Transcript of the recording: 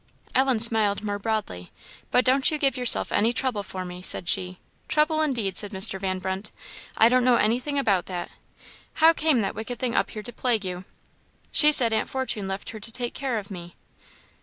Ellen smiled more broadly. "But don't you give yourself any trouble for me," said she. "Trouble, indeed!" said Mr. Van Brunt; "I don't know anything about that. How came that wicked thing up here to plague you?" "She said Aunt Fortune left her to take care of me."